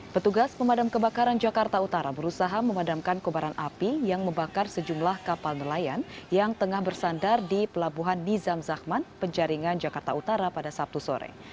petugas pemadam kebakaran jakarta utara berusaha memadamkan kobaran api yang membakar sejumlah kapal nelayan yang tengah bersandar di pelabuhan nizam zahman penjaringan jakarta utara pada sabtu sore